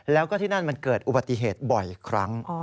แล้วก็ที่นั่นมันเกิดอุบัติเหตุบ่อยครั้ง